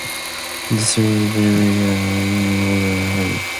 The series balances McLean's work and family.